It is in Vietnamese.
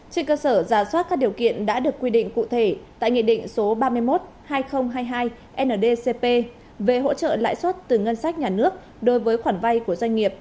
trên cơ sở giả soát các điều kiện đã được quy định cụ thể tại nghị định số ba mươi một hai nghìn hai mươi hai ndcp về hỗ trợ lãi suất từ ngân sách nhà nước đối với khoản vay của doanh nghiệp